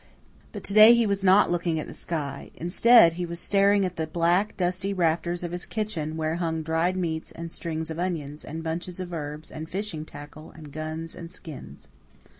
But to day he was not looking at the sky, instead, he was staring at the black, dusty rafters of his kitchen, where hung dried meats and strings of onions and bunches of herbs and fishing tackle and guns and skins.